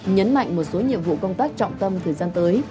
nhấn mạnh một số nhiệm vụ công tác trọng tâm thời gian tới